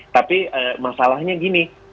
tapi masalahnya gini